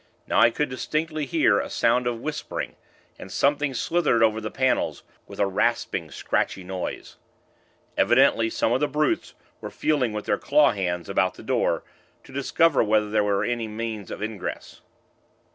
Now I could distinctly hear a sound of whispering, and something slithered over the panels, with a rasping, scratchy noise. Evidently, some of the brutes were feeling with their claw hands, about the door, to discover whether there were any means of ingress.